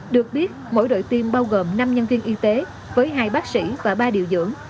được biết mỗi đội tiêm bao gồm năm nhân viên y tế với hai bác sĩ và ba điều dưỡng